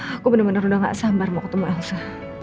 aku bener bener udah gak sabar mau ketemu elsa